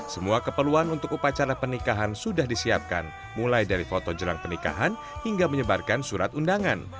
semua keperluan untuk upacara pernikahan sudah disiapkan mulai dari foto jelang pernikahan hingga menyebarkan surat undangan